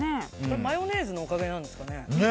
マヨネーズのおかげなんですかね。